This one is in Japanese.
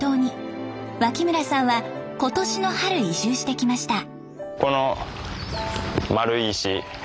脇村さんは今年の春移住してきました。